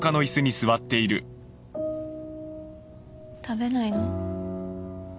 食べないの？